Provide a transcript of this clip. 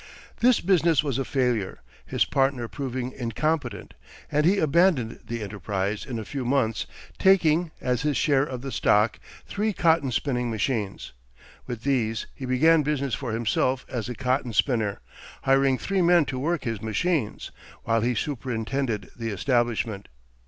This business was a failure, his partner proving incompetent; and he abandoned the enterprise in a few months, taking, as his share of the stock, three cotton spinning machines. With these he began business for himself as a cotton spinner, hiring three men to work his machines, while he superintended the establishment.